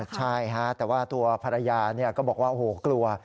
ใช่ฮะแต่ว่าตัวภรรยาเนี่ยก็บอกว่าโหกลัว